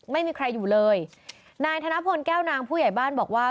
ไม่มีใครอยู่เลยนายธนพลแก้วนางผู้ใหญ่บ้านบอกว่า